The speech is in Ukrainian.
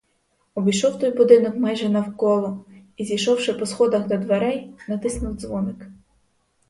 Обійшов той будинок майже навколо і, зійшовши по сходах до дверей, натиснув дзвоник.